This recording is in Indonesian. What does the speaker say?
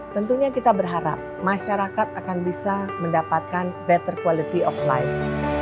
tentunya kita berharap masyarakat akan bisa mendapatkan better quality of life